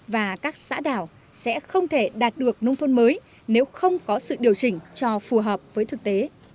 và các xã đảo sẽ không thể đạt được nông thôn mới nếu không có sự điều chỉnh cho phù hợp với thực tế